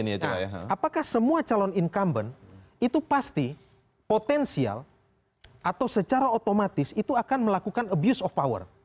apakah semua calon incumbent itu pasti potensial atau secara otomatis itu akan melakukan abuse of power